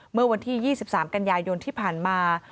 เมื่อวันที่๒๓กันยายนที่ผ่านมา